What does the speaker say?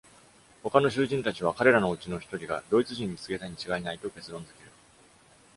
他の囚人たちは、彼らのうちのひとりが、ドイツ人に告げたに違いないと結論付ける。